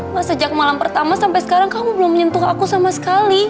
mas sejak malam pertama sampai sekarang kamu belum menyentuh aku sama sekali